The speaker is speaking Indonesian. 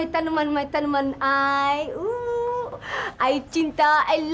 di setan kan bapak di setan oh wig sidik